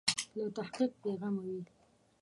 له تحقیق بې غمه وي.